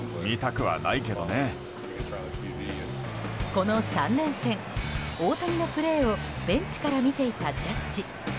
この３連戦、大谷のプレーをベンチから見ていたジャッジ。